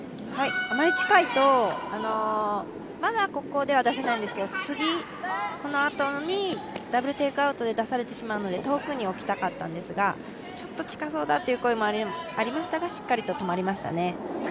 あまり近いと、まだここでは出せないんですけど、次、このあとにダブル・テイクアウトで出されてしまうので遠くに置きたかったんですが、ちょっと近そうだという声もありましたがしっかりと泊まりましたね。